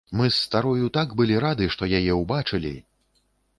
Мы з старою так былі рады, што яе ўбачылі!